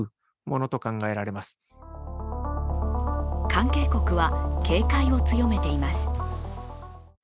関係国は警戒を強めています。